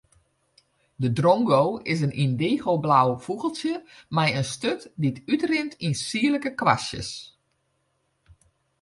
De drongo is in yndigoblau fûgeltsje mei in sturt dy't útrint yn sierlike kwastjes.